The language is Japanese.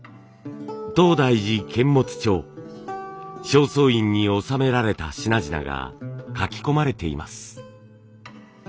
正倉院に納められた品々が書き込まれています。